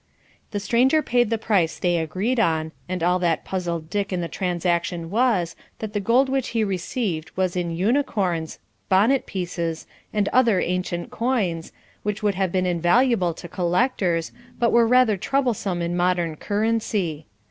The stranger paid the price they agreed on, and all that puzzled Dick in the transaction was, that the gold which he received was in unicorns, bonnet pieces, and other ancient coins, which would have been invaluable to collectors, but were rather troublesome in modern currency.